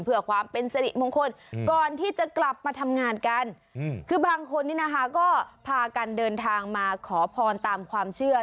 เพื่อความเป็นสริโมงคลกันผ่ากันเดินทางมาขอผ่อนตามความเชื่อ